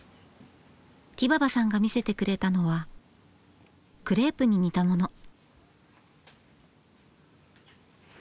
ティババさんが見せてくれたのはクレープに似たもの。